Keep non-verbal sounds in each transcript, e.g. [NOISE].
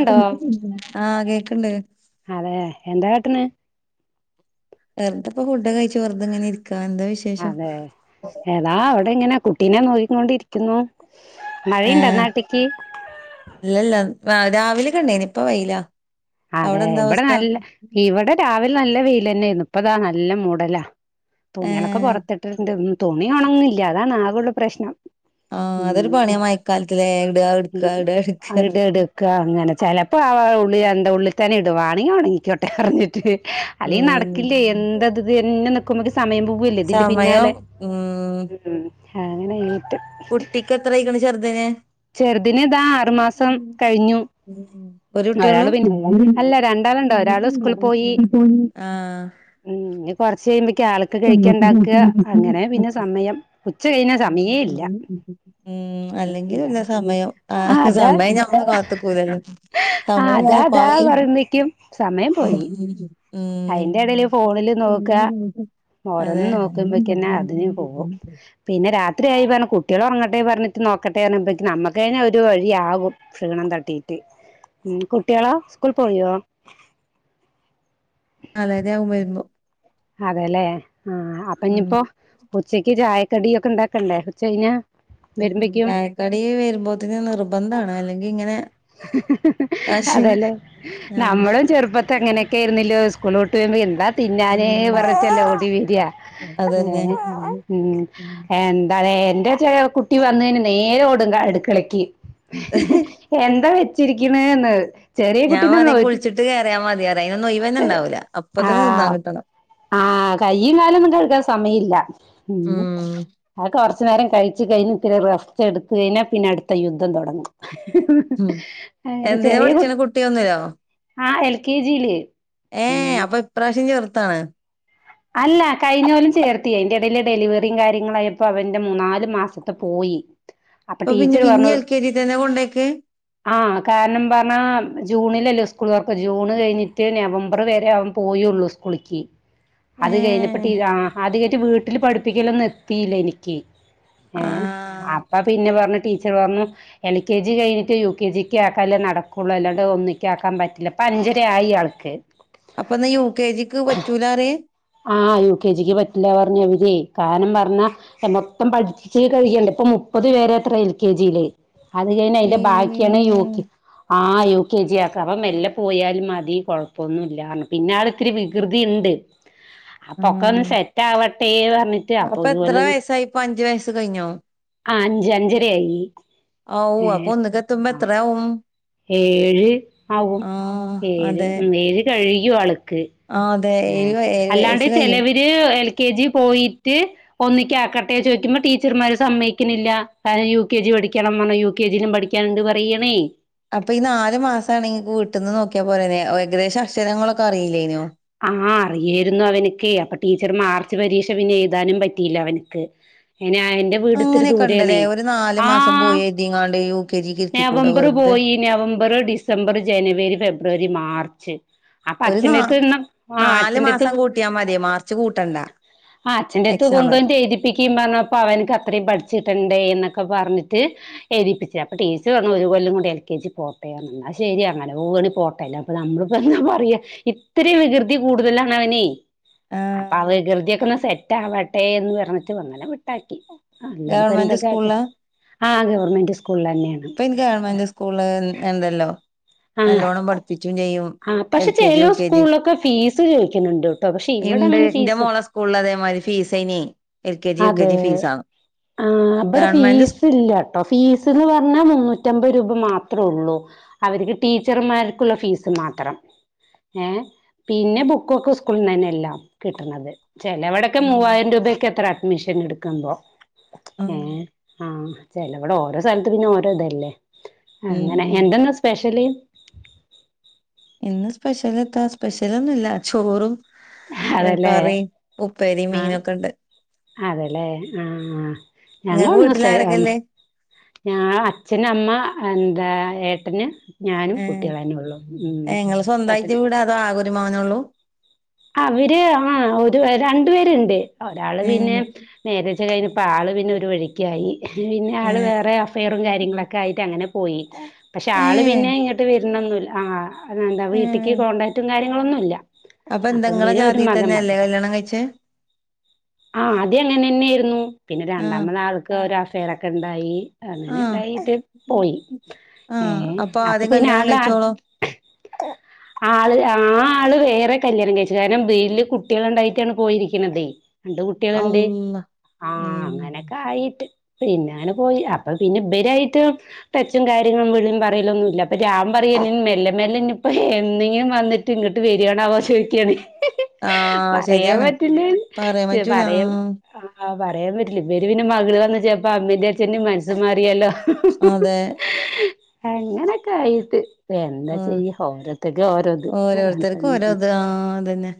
ണ്ടോ ആഹ [INAUDIBLE] കേക്ണ്ട്. അതെ എന്താ കാട്ടണ് വെറുതെപ്പ ഫുഡ് ഓക്കെ കഴിച്ച വെറുതങ്ങെരിക്ക അതെ ഏതാ അവിടെ ഇങ്ങനെ കുട്ടിനെ നോക്കിക്കൊണ്ടിരിക്കുന്നു മഴയിണ്ട ഏഹ് നാട്ടിക്ക്? ആ രാവിലെ കണ്ടിനി ഇപ്പ വെയിലാ അവിടെ അതെ എന്താ ഇവിടെ അവസ്ഥ നല്ല ഇവിടെ രാവി നല്ല വെയിൽ ന്നെനു ഇപ്പ താ നല്ല മൂടലാ തുണിയേളൊക്കെ ഏഹ് പുറത്തിട്ടിട്ടണ്ട് ഉം. തുണി ഉണങ്ങില്ല അതാണ് ആകുള്ള പ്രശ്നം. ആഹ് അതൊരു ഉം പണിയാ മയക്കാലത്തിലേ ഇടാ ഇട്ക്കാ ഇല്ല ഇടാ ഇട്ക്കാ ഇടടുക്ക അങ്ങനെ ചിലപ്പോ അവ ഒളിയ ടെ ഉള്ളിൽ തന്നെ ഇടുവാണങ്കിണങ്ങിക്കോട്ടെ അറിഞ്ഞിട്ട് അല്ലെ ഉം നടക്കില്ലേ എന്തത്എ തമയം പോവല്ലേ ഇതിന്റെ സമയം പിന്നാലെ ഉം [UNINTELLIGIBLE] കുട്ടിക്ക് എത്രയിക്ക്ണ് ചെറുതിന്? ചെറുതിനിതാ ആറുമാസം കഴിഞ്ഞു. ഒരു കുട്ടിയോള്ളൂ ഒരാള് പിന്നെ അല്ല രണ്ടാളുണ്ട് ഒരാള് സ്കൂളിൽ പോയി [INAUDIBLE] ആഹ. ഉം ഞ് കൊറച്ച് കഴിയുമ്പക്ക ആൾക്ക് കഴിക്കണ്ടാക അങ്ങനെ പിന്നെ സമയം ഉച്ച കഴിഞ്ഞ സമയേ ഇല്ല ഉ ഉം ഇതാ അല്ലെങ്കിൽല്ല സമയം ആ സമയം ഞമ്മളെ കാത്ത്ക്കൂലല്ലോ? ആ സമയം അതാ ഇങ്ങെനെ അതാ പായിണ്ട് പറയുമ്പേക്കും സമയം പോയി [UNINTELLIGIBLE] അയിന്റെ എടെൽ ഫോണിൽ നോക്കാ ഉം അതെ ഓരോന്ന് നോക്കുമ്പെഴ്ക്കെന്നെ അതിന് പോകും പിന്നെ രാത്രിയായി പറഞ്ഞ കുട്ടികളൾ ഉറങ്ങട്ടെ പറഞ്ഞിട്ട് നോക്കട്ടെ പറഞ്ഞുമ്പക്ക് നുക്ക് കഴിഞ്ഞെ ഒരു വഴിയാകും ക്ഷീണം. തട്ടീട്ട് ഉം കുട്ടികളോ സ്കൂൾ പോയോ? നാലര ആകും വരുമ്പോ. അതെല്ലേ ആഹ അപ്പൊ ഉം ഇനിയിപ്പോ ഉച്ചക്ക് ചായ കടിയൊക്കെ ഇണ്ടാക്കെണ്ടെ കെർച്ച് കഴിഞ്ഞാ ഉം വരുമ്പേക്കും ചായക്ക് കടി വെരുമ്പോത്തിന് നിർബന്ധാണ് അല്ലെങ്കി ഇങ്ങനെ കാശ് അതെലെ ഞമ്മ നമ്മളും ചെറുപ്പെത്ത് അങ്ങനെക്കെ ആയിര്ന്നില്ലെ സ്കൂൾ വിട്ട് വെരുമ്പോ എ ന്താ തിന്നാ എ ന്നെ ഉം പർണിട്ട് അല്ലെ ഓടി വെരാ ഏ അതന്നെ ഉം എന്താലെ ഇന്റെ ചെയെ കുട്ടി വന്ന് കഴിഞ്ഞാ നേരെ ഓടും അട്ക്കെളെക്ക് എന്താ വെ ച്ച്‌രിക്കിണെന്ന് ഞാൻ പറിം കുൾച്ച്ട്ട് കേറിയാ മതി പറിം അയിനെന്നെ ഒഴിവെന്നെ ഇണ്ടാവൂലാ അപ്പ തെന്നെ തിന്നാ കിട്ടെണം ആ കയ്യും കാലൊന്നും കെഴ്ക്കാൻ സമയില്ല ഉം അയൊക്കെ കൊറ്ച്ച്നേരം കഴി ച്ച് കഴിഞ്ഞ് പിന്നെ റെസ്റ്റ് എട്ത്ത് കഴിന്നാ പിന്നെ അട്ത്ത യുദ്ധം തൊടങ്ങും ഉം അങ്ങനെ എന്തിനാ ചെറെ കുട് പഠിച്ചണ കുട്ടി ഒന്നിലോ ആ എൽ. കെ. ജിയില് ഏ ഉം അപ്പം ഇപ്രാവ്ശ്യം ചെറ്ത്താണ് അല്ല കഴിഞ്ഞ കൊല്ലം ചേർത്തി അയിന്റെ എടീൽ ഡെലിവെറിം കാര്യങ്ങളായപ്പോ അവെന്റ മൂന്നാൽ മാസത്തെ പോയി ഇപ്പ പിന്നെ പിന്നിം എൽ. കെ. ജി തെന്നെ കൊണ്ടെ ആ കാരണം പർണാ ജൂണിലല്ലെ സ് ക്കൂൾ തൊർക്കാ ജൂണ് കഴിഞ്ഞ്ട്ട് നവംബർ വെരെ അവൻ പോയൊള്ളു സ്ക്കൂളിക്ക് ഏ അത് കഴിഞ്ഞെപ്പ ടീ ആ അതികെറ്റെ വീട്ട്ൽ പഠിപ്പിക്കലൊന്നും എത്തിയില്ലെയ്നി ഇക്ക് ഏ ആ അപ്പ പിന്നെ പർണ് ടീ ച്ചെർ പർണു എൽ. കെ. ജി കഴിഞ്ഞ്ട്ട് യു. കെ. ജിക്ക് ആക്കെലെ നടക്കൊള്ളു അല്ലാണ്ടെ ഒന്നിക്ക് ആക്കാൻ പറ്റില്ല ഇപ്പ അ ഞ്ചെര ആയി ആൾക്ക് അപ്പൊന്നാ യു. കെ. ജിക്ക് പറ്റൂലാ പറെ ആ യു. കെ. ജിക്ക് പറ്റില്ല പറഞ്ഞെ അവരെ കാരണം പർണാ മൊത്തം പഠിച്ച് കഴിയെണ്ടെ ഇപ്പം മുപ്പെത് വെരെ അത്രേ എൽ. കെ. ജിയിൽ അത് കഴിന്ന് ഈ അയിന്റെ ബാക്കിയാണ് യു. കെ. ആ യു. കെ. ജി പർ അവൻ മെല്ലെ പോയാലും മതി കൊഴപ്പൊന്നും ഇല്ല പർണു പിന്നെ ആൾ ഇത്തിരി വികൃതി ഇണ്ട് ആ അപ്പൊക്കെ ഒന്ന് സെറ്റ് ആവട്ടെ പർൺട്ട് അപ്പൊ എത്ര ഒര് ഓൽ വയസ്സായി ഇപ്പൊ അഞ്ചു വയസ്സ് കഴിഞ്ഞോ ആ അഞ്ച് അഞ്ചെര ആയി ഓ ഏ അപ്പൊ ഒന്നിക്ക് എത്തുമ്പോ ആ എത്രയാവും ഏഴ് ആകും ആ ഏഴ് അതെ ഉം ഏഴ് കഴിയും ആൾ ആ അ ഏ അല്ലാണ്ട് ചെലവെര് എൽ. കെ. ജി പോയിട്ട് ഒന്നിക്ക് ആക്കട്ടെ ചോയിക്കുമ്പോ ടീച്ചർന്മാര് സമ്മെയിക്ക്ണില്ല കാരണം യു. കെ. ജി പഠിക്കെണം പർൺ യു. കെ. ജിയിലും പഠിക്കാൻ ഇണ്ട് പറിയാണെ അപ്പ ഈ നാല് മാസാണെങ്കി ഇങ്ങക്ക് വീട്ട്ന്ന് നോക്കിയാ പോരെയ്ന്നോ ഏ ഓ ഏകദേശം അക്ഷരങ്ങളൊക്കെ അറീല്ലെയ്നോ ആ അറിയെര്ന്നു അവന്ക്കെ അപ്പ ടീച്ചർ മാർച്ച് പരീക്ഷ പിന്നെ എഴ്താനും പറ്റീല്ല അവെൻക്ക് അയിൻ അയെന്റെ വീട് ഇത്തിരി അങ്ങനെയൊക്കെ ദൂരെ ഉണ്ടല്ലേ ആണെ ഒരു നാല് ആ മാസം പോയി എഴുതിങ്ങാണ്ട് യു കെ ജിക്ക് ഇരുത്തിക്കൂടെ നവംബെർ വെറുതെ പോയി ഞ്ഞ് November, December, January, February, March അപ്പ ഒരു നാ അച്ഛെന്റെ എട്ത്ത് നിന്നാ നാല് മാസം കൂട്ടിയാ മതിയെ മാർച്ച് കൂ ആ അച്ഛെന്റെ എട്ത്ത് കൊണ്ടോന്ന്ട്ട് എഴ്തിപ്പിക്കിം പർണെപ്പം അവെൻക്ക് അത്രിം പഠിച്ച് കിട്ടെണ്ടെ ന്നൊക്കെ പർൺട്ട് എഴ്തിപ്പിച്ചാ അപ്പ ടീച്ചർ പർണു ഒര് കൊല്ലം കൂടി എൽ. കെ. ജി പോട്ടെ പർണു ഇന്നാ ശരി പർണു അല്ലാ പോവാണെ പോട്ടെ അല്ലാപ്പം നമ്മളിപ്പം എന്താ പറയാ ഇത്രിം വികൃ തി കൂട്തെലാണ് അവനെയ് ആഹ് അപ്പാ ആ വൃകൃതിതിയൊക്കെ ഒന്ന് സെറ്റ് ആവാട്ടെന്ന് പർണിട്ട് അങ്ങെനെ വിട്ടാക്കി അല്ലാതെപ്പം എന്താ ഗവൺമെന്റ് കാട്ടാ സ്കൂളില് ആ ഗവെർമെന്റ് സ്കൂളിലെന്നെ ഇപ്പ അയിന് ഗവൺമെന്റ് സ്കൂൾ ന് ഇണ്ടെല്ലോ ആ നല്ലോണ്ണം പഠിപ്പിച്ചും ചെ ആ എൽ പക്ഷെ കെ ജി, യു ചെലോ കെ ജി. സ്കൂളിലൊക്കെ ഫീസ് ചോദിക്കുന്നുണ്ട് ട്ടോ പക്ഷെ ഇവിടെ ഇണ്ട് അങ്ങനെ ന്റെ ഫീസ് മോളെ സ്കൂളിലതെ മാരി ഫീസേനെ L K G, U K അതെ ജി ഫീസാണ്. ആ ഇബടെ ഗവൺമെന്റ് ഫീസ് ഇല്ല ട്ടോ ഫീസ്ന്ന് പർ ന്ന് പർണാ മുന്നുറ്റ അമ്പത് രൂപ മാത്രം ഒള്ളു അവര്ക്ക് ടീച്ചർമാർക്കുള്ള ഫീ മാത്രം ഏ പിന്നെ ബുക്കൊക്കെ സ്കൂള്ന്നന്നെയെല്ലാം കിട്ട്ണത്. ചെലവടൊക്കെ സ്കൂ മൂവായിരം രൂപക്കെത്രെ അഡ്മിഷൻ എടുക്കുമ്പോ ഉം ഏ ആ ചെലവടെ ഓരോ സ്ഥലത്ത് പിന്നെ ഓരോഇതല്ലേ അങ്ങനെ. ഉം എന്താന്ന് സ്പെഷല്? ഇന്ന് സ്പെഷ്യല് എത്താ സ്പെഷ്യലൊന്നുല്ല ചോറും, അതല്ലേ കറിം, ഉപ്പേരിം, ആ മീനൊക്കെണ്ട്. അതെല്ലേ ആ ആ ഇങ്ങക്ക് ഞങ്ങളൂന്ന്‌ വീട്ടിൽ സ്പെ ഒ ആരൊക്കെല്ലേ ഞാൻ, അച്ഛൻ, അമ്മ എന്താ ഏട്ടന് ഞാനും ഏ കുട്ടികളന്നെ ഉള്ളു ഉം ഏ ഇങ്ങള് സ്വന്തായിട്ട് ഏട്ടന് വീടാ അതോ ആകൊരുമകനൊള്ളൂ. അവര് ആ ഒരു രണ്ടു പേര്ണ്ട് ഒരാള് പിന്നെ നേരെച്ച കഴിഞ്ഞ് ഇപ്പാള് പിന്നെ ഒരു വഴിക്കായി പിന്നെ ഏ ആള് വേറെ അഫൈറും കാര്യങ്ങളൊക്കെ ആയിട്ട് അങ്ങനെ പോയി പക്ഷെ ഏ ആള് പിന്നെ ഇങ്ങട്ട് വരനൊന്നല്ല ആ അതിനെന്താ ഏ വീട്ട്ക്ക് കോൺടാക്റ്റും കാര്യങ്ങളൊന്നും ഇല്ല. അപ്പൊ എന്ത ഇങ്ങളെ ജാതി തന്നെയല്ലേ കല്യാണം കഴിച്ചെ ആ ആദ്യം അങ്ങനെന്നെയായിരുന്നു. പിന്നെ ആ രണ്ടാമത് ആൾക്ക് ഒരു അഫെയറൊക്കെണ്ടായി അങ്ങനെ ആ ഇണ്ടായിട്ട് പോയി ആ ഏ അപ്പൊ ആദ്യം പിന്നെ കല്യാണം ആള് കഴിച്ചോളോ ആള് ആ- ള് വേറെ കല്യാണം കഴിച്ചു. കാരണം ബീട്ട്ല് കുട്ട്യേള് ഇണ്ടായിട്ടാണ് പോയിരിക്കണത്. രണ്ട് കുട്ടികളുണ്ട് അള്ള ആ ഉം അങ്ങനൊക്കെ ആയിട്ട് പിന്നെ അങ്ങനെ പോയി. അപ്പൊ പിന്നെ ഇബരായിട്ട് ടച്ചും കാര്യങ്ങളും വിളിയും പറയലൊന്നുല്ല. അപ്പൊ ഞാൻ പറയും മെല്ലെ മെല്ലെ ഇനി ഇപ്പ എന്നെങ്കിലും വന്നിട്ട് ഇങ്ങട്ട് വരാണാവോ ചോയ്ക്കാണെ. ആ പറയാൻ ശരിയാണ് പറ്റില്ല പറയാൻ പറ്റൂല ആ പറയാൻ ആ പറയാൻ പറ്റില്ല. ഇവര് പിന്നെ മകള് വന്ന ചെലപ്പ അമ്മേന്റേം അച്ചഛന്റേം മനസ്സ് മാറിയാലോ അതെ. അങ്ങനൊക്കെ ആയിട്ട് എന്താ ആ ചെയ്യ ഓരോത്തര്ക്ക് ഓരോത് ഓരോരുത്തർക്കും ഓരോ അല്ലാണ്ട്പ്പെന്താ ഇത് ആ അതന്നെ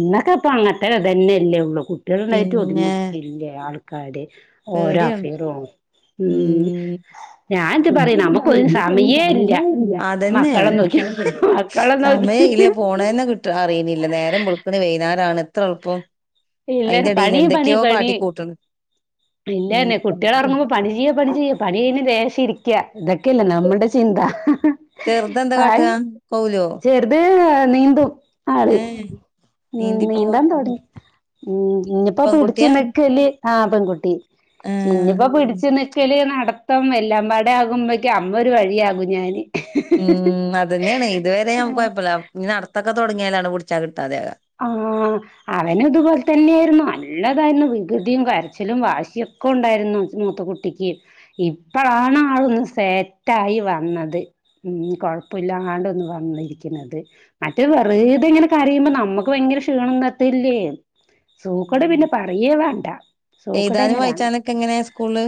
ഇന്നൊക്കെ പ്പ അങ്ങൻത്തെതന്നെല്ലേ ഉള്ളൂ കുട്ട്യേള്ണ്ടായിട്ട് പിന്നെ ഒതുങ്ങിക്കല്ലേ ആൾക്കാര് ഓരോ പേടിയാണ് അഫൈറും ഉം പറയും നമുക്കൊരു സമയേ ഇല്ല അതന്നേണ് മക്കളെ നോക്കി മക്കളെ സമ നോക്കി - യം എങ്ങനെ പോണെന്ന് കിട്ട് അറിണില്ല നേരം വെളുക്ക്ണ് വൈന്നാരാവ്ണ് എത്ര എളുപ്പം അയിന്റെ എല്ലാരും എടേല് പണി പണി എന്തൊക്കെയോ പണി കാട്ടിക്കൂട്ടണ്. ഉം. ഇല്ലന്നെ കുട്ട്യേളൊറങ്ങുമ്പ പണി ചെയ്യാ പണി ചെയ്യ പണി കഴിഞ്ഞ് ലേശം ഇരിക്ക. ഇതൊക്കെല്ല നമ്മുടെ ചിന്ത ചെറുതെന്താ പായ് കാട്ടുക? കൗലോ? ചെറുത് നീന്തും ആള് ഏഹ് മ് നീന്തി പോവാ നീന്താൻ തൊടങ്ങി ഇനിയിപ്പോ പിടിച്ചു പെൺകുട്ടിയാ? നിക്കല് ആ പെൺകുട്ടി ഏഹ് ഇനിയിപ്പോ പിടിച്ചു നിക്കല് നട ത്തം എല്ലാംപാടെ ആകുമ്പോക്കും അമ്മ ഒരു വഴിയാകും ഞാന്. ഉം അതന്നെയാണ് ഇതുവരെ ഞമ്മക്ക് കൊയപ്പല്ല ഇനി നടത്തൊക്കെ തൊടങ്ങിയാലാണ് പിടിച്ചാ കിട്ടാതാക. ആ അവനും ഇതുപോലെ തന്നെയായിരുന്നു. നല്ലതായിരുന്നു വികൃതിയും, കരച്ചിലും, വാശിയൊ ക്കെണ്ടായിരുന്നു മൂത്ത കുട്ടിക്ക്. ഇപ്പഴാണ് ആളൊന്ന് സെറ്റായി വന്നത്. ഉം കൊഴപ്പമില്ലാണ്ട് ഒന്ന് വന്നിരിക്കുന്നത്. മറ്റേത് വെറുതെങ്ങനെ കരയുമ്പോ നമുക്ക് ഭയങ്കര ക്ഷീണംന്നത്തില്ലേ സൂക്കട് ഉം പിന്നെ പറയേ വേണ്ട. എഴുതാനും സൂക്കടന്നെ വായിച്ചാനൊക്കെ എങ്ങനെ സ്കൂളില്?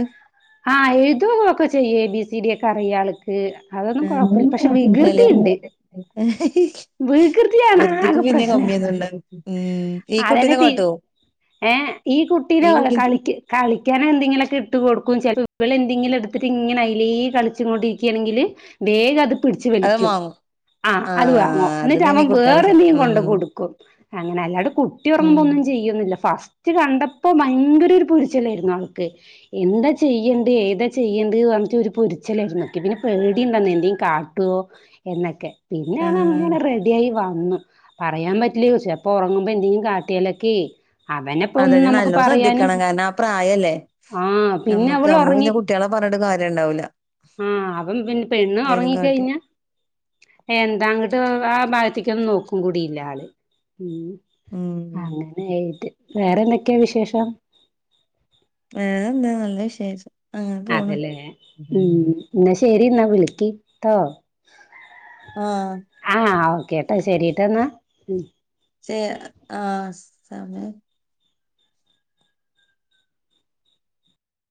ആ എഴുതും ഒക്കെ ചെയ്യും എ ബി സി ഡി ഒക്കെ അറിയാൾക്ക്. [UNINTELLIGIBLE] അതൊന്നും ഏഹ് കൊഴപ്പല്ല പക്ഷെ വികൃതി ഇണ്ട് എല്ലേ വികൃതിയാണ് ആകെ വെല്ല്യ പ്രശ്നം കമ്മിയൊന്നുണ്ടാവൂല മം ഈ അതന്നെ കുട്ടീനെ തി കാട്ടോ? ഏ ഈ കുട്ടീനെ പോലെ കളിക് കളിക്കാനെന്തേ ങ്ങലൊക്കെ ഇട്ട് കൊടുക്കും ചെൽ ഇവൾ എന്തെങ്കിലും എടുത്തിട്ട് ഇങ്ങനെ അയിലെ കളിച്ച് കൊണ്ടിരിക്കാ ണെങ്കിൽ വേഗത് പിടിച് അത് വലിക്കും മാങ്ങും ആ അത് വാങ്ങും ആഹ് ന്നിട്ട് അതന്നെയാണ് അവൻ ഈ കുട്ടികളെ സ്വ വേറെഎന്തെങ്കിലും കൊണ്ട് ഉം കൊടുക്കും അങ്ങനെ അല്ലാട് കുട്ടി ഉറങ്ങുമ്പോ ഉം ഒന്നും ചെയ്യൊന്നുല്ല ഫാസ്റ്റ് ഫസ്റ്റ് കണ്ടപ്പോ ഭയങ്കര ഒരു പൊരിച്ചലായിരുന്നു ആൾക്ക് എന്താ ചെയ്യേണ്ട് ഏതാ ചെയ്യേണ്ട് [UNINTELLIGIBLE] ഒരു പൊരിച്ചലായിരുന്നു ഇക്കി പിന്നെ പേടി ഉണ്ടെയ്നിം എന്തേലും കാട്ടോ എന്നൊക്കെ. പിന്നെ അത് ആഹ് അങ്ങനെ റെഡി ആയി വന്നു പറയാൻ പറ്റ് ല് ഒയ്ച്ച അപ്പൊ ഒറങ്ങുമ്പോ എന്തെങ്കിലും കാട്ടിയാലൊക്കെയ് അവനപ്പൊ ഒന്ന് അതന്നെ നമുക്ക് നല്ലോ പറയാനും ശ്രദ്ധിക്കണം കാരണം ആ പ്രായല്ലേ ആ പിന്നെ നമ്മക്ക് അവള് നമ്മള് ഒറങ്ങി. പിന്നെ കുട്ടികളെ പറഞ്ഞിട്ട് കാര്യം ഉണ്ടാവൂല ആ അപ്പം പിന്നെ പെണ്ണ് ഒ എന്തേലും കാട്ടിയ റങ്ങിക്കഴിഞ്ഞ എന്താങ്ങട്ട് ആ ഭാഗത് ക്ക്യോന്ന് നോക്കും കൂടിയില്ല ആള് മം ഉം അങ്ങനൊയായിട്ട്. വേറെ എന്തൊക്കെയാ വിശേഷം. വേറെന്താ നല്ല വിശേഷം. അങ്ങനെ പോണ് അതെല്ലേ ഉം ഇന്നാ ശെരി ന്നാ വിളിക്കീ ട്ടോ. ആഹ് കേട്ടാ ശെരിട്ടന്നാ. ഷ് ആ സമയായി